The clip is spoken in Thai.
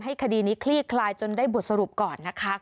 คดีนี้คลี่คลายจนได้บทสรุปก่อนนะคะ